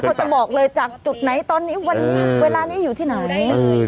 จะบอกเลยจากจุดไหนตอนนี้วันนี้เวลานี้อยู่ที่ไหน